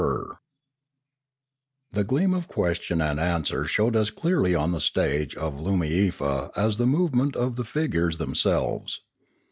Pioneering 475 The gleam of question and answer showed as clearly on the stage of I^)omiefa as the movement of the figures themselves.